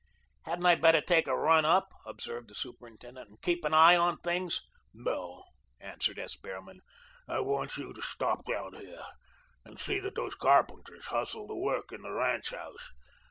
"Hadn't I better take a run up," observed the superintendent, "and keep an eye on things?" "No," answered S. Behrman, "I want you to stop down here, and see that those carpenters hustle the work in the ranch house.